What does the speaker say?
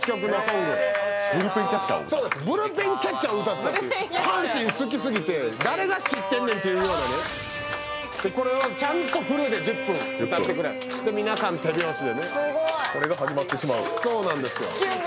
そうですブルペンキャッチャーを歌ったっていう阪神好きすぎて誰が知ってんねんっていうようなこれをちゃんとフルで１０分歌ってくれるで皆さん手拍子でねこれが始まってしまうのそうなんですよ